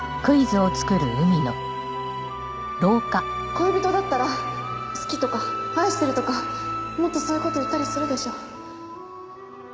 恋人だったら「好き」とか「愛してる」とかもっとそういう事言ったりするでしょ？